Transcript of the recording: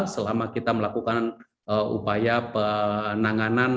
selama kita melakukan upaya penanganan